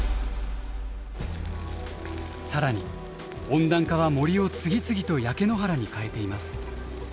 更に温暖化は森を次々と焼け野原に変えています。